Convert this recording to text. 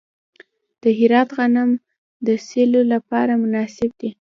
د هرات غنم د سیلو لپاره مناسب دي.